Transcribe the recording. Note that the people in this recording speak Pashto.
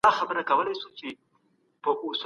اقتصادي بنديزونه د نورو هېوادونو پر سياست څه اغېز کوي؟